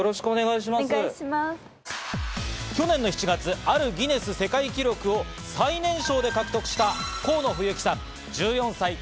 去年の７月、あるギネス世界記録を最年少で獲得した河野冬妃さん、１４歳。